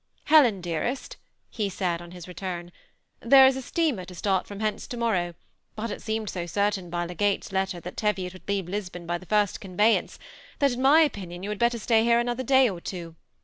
<< Helen, dearest I " he said on his return, " there is a steamer to start from hence to morrow ; but it seemed 80 certain by Le Geyt's letter that Teviot would leave Lisbon by the first conveyance, that in my opinion you had better stay here another day or two.